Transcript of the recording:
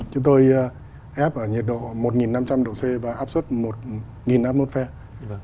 chúng tôi ép ở nhiệt độ một năm trăm linh độ c và áp suất một atmosphere